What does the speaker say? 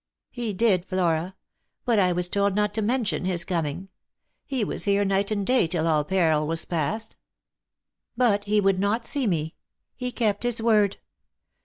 " He did, Flora ; but I was told not to mention his coming. He was here night and day till all peril was past." "But he would not see me. He kept his word.